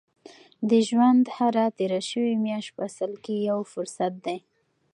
د ژوند هره تېره شوې میاشت په اصل کې یو فرصت دی.